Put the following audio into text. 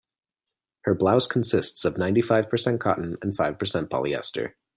Her blouse consists of ninety-five percent cotton and five percent polyester.